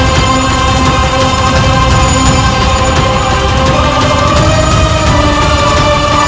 selamunia selamunia selamunia alayasi abidillah